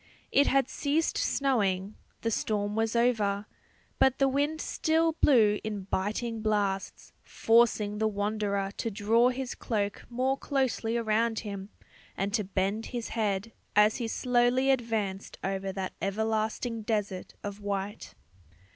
It had ceased snowing; the storm was over; but the wind still blew in biting blasts, forcing the wanderer to draw his cloak more closely around him, and to bend his head, as he slowly advanced over that everlasting desert of white.